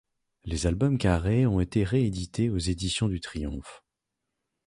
Les albums carrés ont été réédités aux éditions du Triomphe.